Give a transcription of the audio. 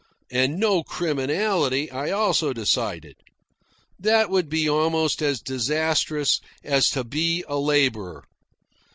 And no criminality, I also decided. That would be almost as disastrous as to be a labourer.